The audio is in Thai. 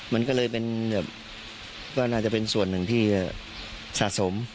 มันก็เลยเป็นแบบก็น่าจะเป็นส่วนหนึ่งที่สะสม